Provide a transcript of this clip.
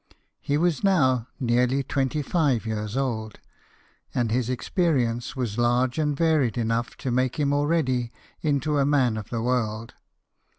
He was now nearly twenty five years old ; and his experience was large and varied enough to make him already into a man of the world.